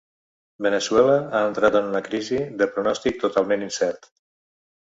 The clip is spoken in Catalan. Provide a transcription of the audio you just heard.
Veneçuela ha entrat en una crisi de pronòstic totalment incert.